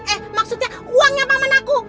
eh maksudnya uangnya paman aku